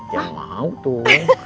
ya mau tuh